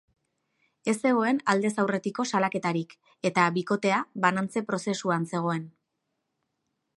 Ez zegoen aldez aurretiko salaketarik eta bikotea banantze prozesuan zegoen.